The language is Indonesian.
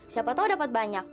siapa tau dapat banyak